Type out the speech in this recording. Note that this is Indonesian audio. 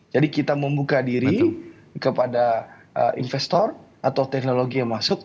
jadi kita membuka diri kepada investor atau teknologi yang masuk